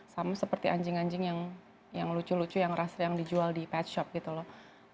sama seperti anjing anjing yang lucu lucu yang rasa yang dijual di pet shop gitu loh